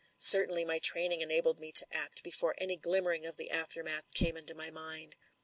Certainly my training enabled me to act before any glimmering of the aftermath came into my mind.